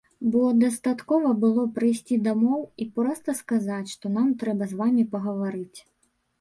Бо дастаткова было прыйсці дамоў і проста сказаць, што нам трэба з вамі пагаварыць.